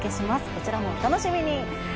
こちらもお楽しみに。